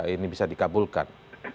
ini bisa dikabulkan